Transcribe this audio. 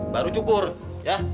baru cukur ya